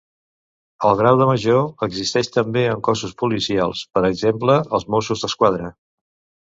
El grau de major existeix també en cossos policials; per exemple, als Mossos d'Esquadra.